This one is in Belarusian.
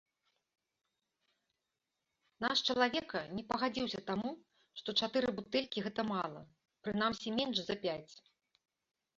Наш чалавека не пагадзіўся таму, што чатыры бутэлькі гэта мала, прынамсі менш за пяць.